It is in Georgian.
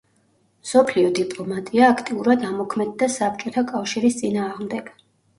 მსოფლიო დიპლომატია აქტიურად ამოქმედდა საბჭოთა კავშირის წინააღმდეგ.